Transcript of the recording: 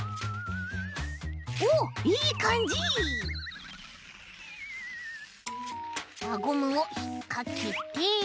おっいいかんじ！わゴムをひっかけて。